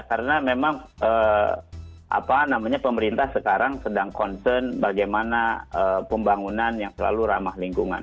karena memang pemerintah sekarang sedang concern bagaimana pembangunan yang selalu ramah lingkungan